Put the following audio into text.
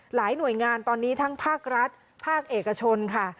หลายหน่วยงานตอนนี้ทั้งภาครัฐภาคเอกชนค่ะ